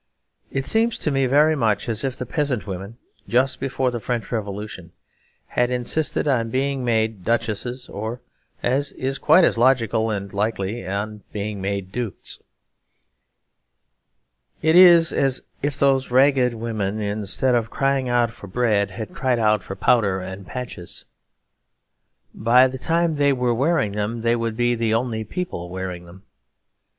It seems to me very much as if the peasant women, just before the French Revolution, had insisted on being made duchesses or (as is quite as logical and likely) on being made dukes. It is as if those ragged women, instead of crying out for bread, had cried out for powder and patches. By the time they were wearing them they would be the only people wearing them.